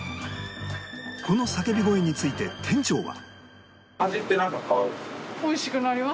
この叫び声について店長は